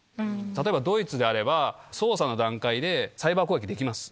例えば、ドイツであれば、捜査の段階でサイバー攻撃できます。